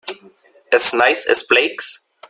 As nice as Blake's?